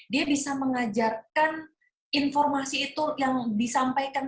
dia bisa mengajarkan informasi itu yang disampaikan